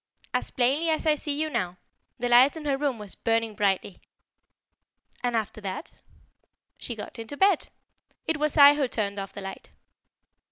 "As plainly as I see you now. The light in her room was burning brightly." "And after that?" "She got into bed. It was I who turned off the light."